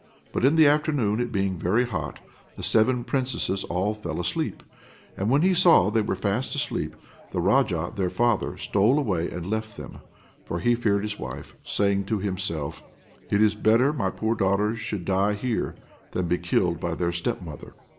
But in the afternoon, it being very hot, the seven Princesses all fell asleep, and when he saw they were fast asleep, the Raja, their father, stole away and left them (for he feared his wife), saying to himself: "It is better my poor daughters should die here, than be killed by their step mother."